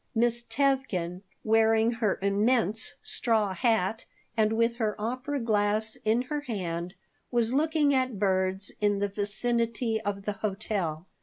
Miss Tevkin, wearing her immense straw hat, and with her opera glass in her hand, was looking at birds in the vicinity of the hotel.